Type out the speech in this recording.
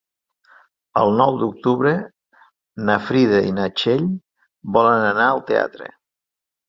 El nou d'octubre na Frida i na Txell volen anar al teatre.